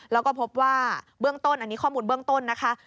แล้วก็พบว่าเบื้องต้นอันนี้ข้อมูลเบื้องต้นนะคะ